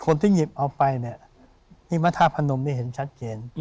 คนที่หยิบเอาไปเนี่ยที่พระธาตุพนมนี่เห็นชัดเจน